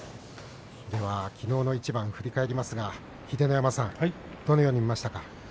きのうの一番、振り返りますが秀ノ山さん、どのように見ますか。